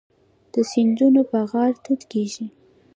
د سیندونو په غاړه توت کیږي.